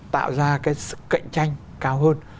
tạo ra cái sự cạnh tranh cao hơn